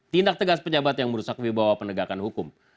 tindak tegas pejabat yang merusak wibawa penegakan hukum